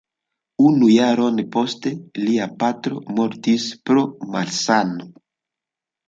Unu jaron poste, lia patro mortis pro malsano.